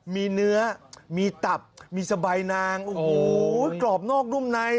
มีเนื้อมีตับมีสบายนางโอ้โหกรอบนอกนุ่มใน